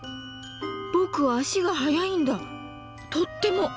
ボクは足が速いんだとっても。